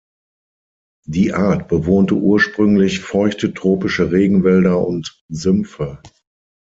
Die Art bewohnte ursprünglich feuchte tropische Regenwälder und Sümpfe.